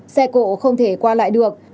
xe cộ không thể qua lại được